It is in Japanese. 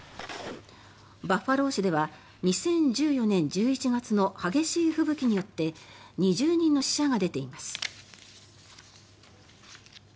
バファロー市では２０１４年１１月の激しい吹雪によって２０人の死者が出ています。